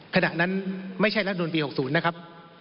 ขณะนั้นไม่ใช่รัฐมนุนปี๖๐นะครับ